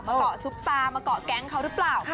เกาะซุปตามาเกาะแก๊งเขาหรือเปล่า